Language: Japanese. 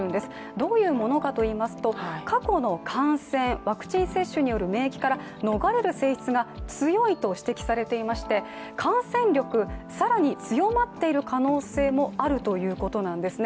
どういうものかといいますと、過去の感染、ワクチン接種による免疫から逃れる性質が強いと指摘されていまして、感染力、更に強まっている可能性もあるということなんですね。